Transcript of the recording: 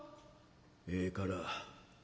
「ええから